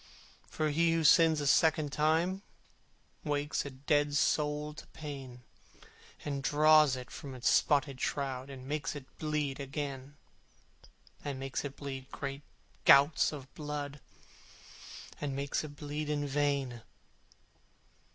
For he who sins a second time Wakes a dead soul to pain, And draws it from its spotted shroud And makes it bleed again, And makes it bleed great gouts of blood, And makes it bleed in vain!